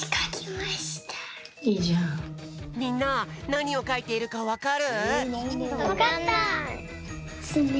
みんななにをかいているかわかる？